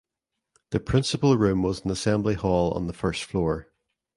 The principal room was an assembly hall on the first floor.